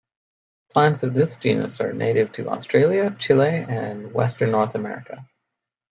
Plants of this genus are native to Australia, Chile, and western North America.